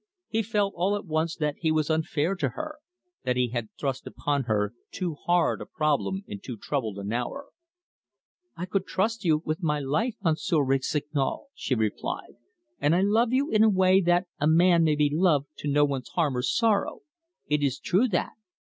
He felt all at once that he was unfair to her, that he had thrust upon her too hard a problem in too troubled an hour. "I could trust you with my life, Monsieur Rossignol," she replied. "And I love you in a way that a man may be loved to no one's harm or sorrow: it is true that!"